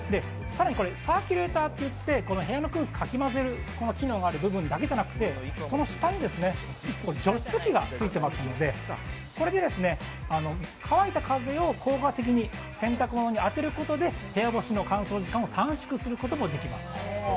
サーキュレーターといって部屋の空気をかき混ぜる機能があるだけじゃなくてその下に除湿器がついていますのでこれで乾いた風を効果的に洗濯物に当てることで部屋干しの乾燥時間を短縮することもできます。